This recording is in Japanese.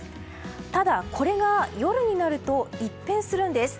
ただ、これが夜になると一変するんです。